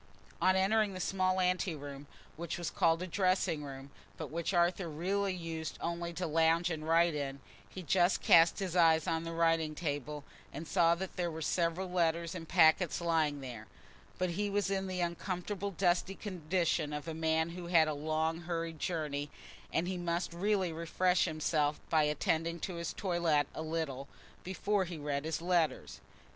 On entering the small anteroom which was called a dressing room, but which Arthur really used only to lounge and write in, he just cast his eyes on the writing table, and saw that there were several letters and packets lying there; but he was in the uncomfortable dusty condition of a man who has had a long hurried journey, and he must really refresh himself by attending to his toilette a little, before he read his letters.